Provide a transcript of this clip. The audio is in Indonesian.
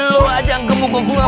lu aja yang gemuk gua